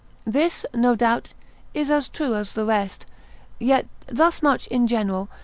This, no doubt, is as true as the rest; yet thus much in general.